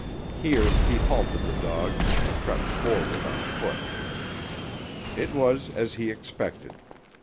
Here he halted the dogs and crept forward on foot. It was as he expected.